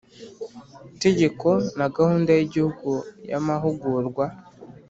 tegeko na Gahunda y Igihugu y Amahugurwa